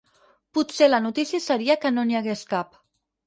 Potser la notícia seria que no n'hi hagués cap.